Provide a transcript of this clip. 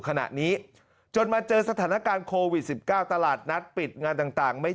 ขณะนี้จนมาเจอสถานการณ์โควิด๑๙ตลาดนัดปิดงานต่างไม่